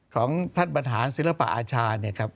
ของท่านบัชหาสิลบาอาชา